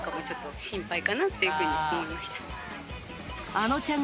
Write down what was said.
あのちゃん。